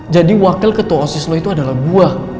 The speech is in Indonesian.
jadi wakil ketua siswa lo itu adalah gue